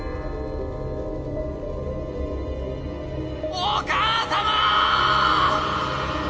お母様！